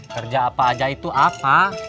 kerja apa aja itu apa